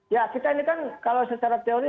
ya kita ini kan kalau secara teori